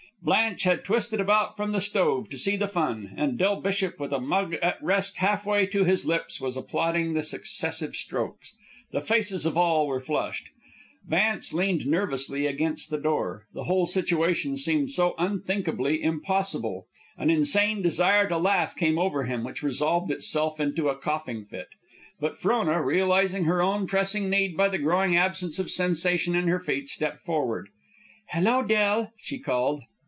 Blanche had twisted about from the stove to see the fun, and Del Bishop, with a mug at rest half way to his lips, was applauding the successive strokes. The faces of all were flushed. Vance leaned nervelessly against the door. The whole situation seemed so unthinkably impossible. An insane desire to laugh came over him, which resolved itself into a coughing fit. But Frona, realizing her own pressing need by the growing absence of sensation in her feet, stepped forward. "Hello, Del!" she called.